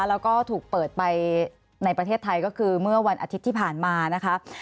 แล้วก็ถูกเปิดไปในประเทศไทยก็คือเมื่อวันอาทิตย์ที่ผ่านมานะคะ